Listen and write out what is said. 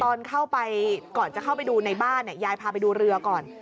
ตอนเข้าไปก่อนจะเข้าไปดูในบ้านเนี่ยยายพาไปดูเรือก่อน